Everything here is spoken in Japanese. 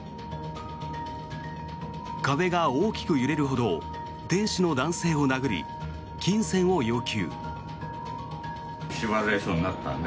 壁が大きく揺れるほど店主の男性を殴り金銭を要求。